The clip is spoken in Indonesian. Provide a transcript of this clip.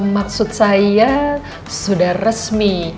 maksud saya sudah resmi